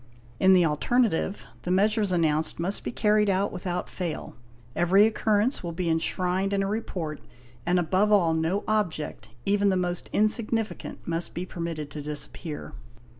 In the alternative, the measures announced must be carried out without fail. Hvery occurrence will be enshrined in a report and above all no object, even the most insignificant, must be permitted to disappear.